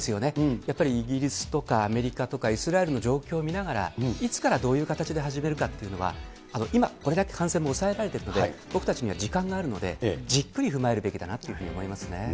やっぱりイギリスとかアメリカとかイスラエルの状況を見ながら、いつからどういう形で始めるかっていうのは、今、これだけ感染も抑えられてきて、僕たちには時間があるので、じっくり踏まえるべきだなっていうふうに思いますね。